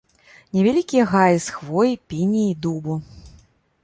Невялікія гаі з хвоі, пініі, дубу.